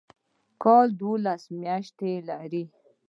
کال دوولس میاشتې لري